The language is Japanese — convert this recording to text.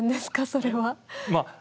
それは。